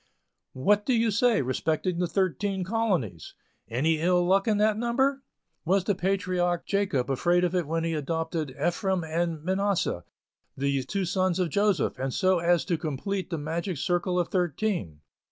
"What do you say respecting the Thirteen Colonies? Any ill luck in the number? Was the patriarch Jacob afraid of it when he adopted Ephraim and Manasseh, the two sons of Joseph, so as to complete the magic circle of thirteen?